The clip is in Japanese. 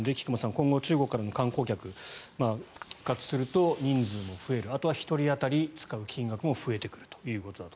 今後中国からの観光客が復活すると人数が増えるあとは１人当たりが使う金額も増えてくると。